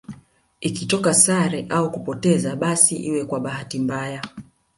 Ikitokea sare au kupoteza basi iwe kwa bahati mbaya